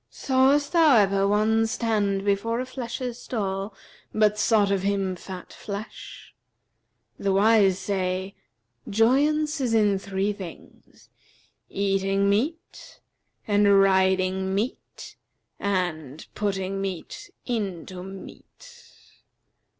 Sawest thou ever one stand before a flesher's stall but sought of him fat flesh? The wise say, 'Joyance is in three things, eating meat and riding meat and putting meat into meat.'